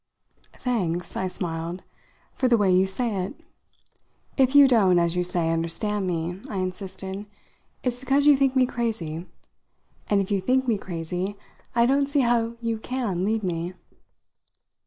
"Thanks," I smiled, "for the way you say it. If you don't, as you say, understand me," I insisted, "it's because you think me crazy. And if you think me crazy I don't see how you can leave me."